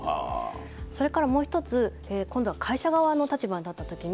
それからもう１つ、今度は会社側の立場に立ったときに。